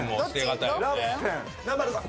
南原さん！